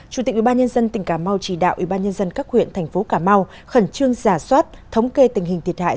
chủ tịch ubnd tỉnh cà mau chỉ đạo ubnd các huyện thành phố cà mau khẩn trương giả soát thống kê tình hình thiệt hại